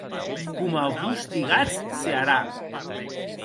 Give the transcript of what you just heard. Coma vos digatz, se harà.